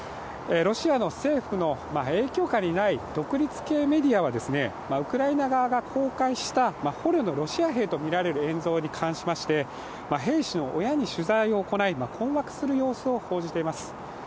ロシアの政府の影響下にない独立系メディアはウクライナ側が公開した捕虜のロシア兵とみられる映像に関しまして兵士の親に取材を行い、困惑する様子を報じています。